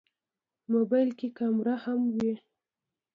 موبایل کې کیمره هم وي.